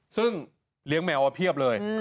ซึ่งเลี้ยงแมวมาเพียบเลย